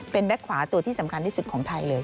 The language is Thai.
เป็นแบ็คขวาตัวที่สำคัญที่สุดของไทยเลย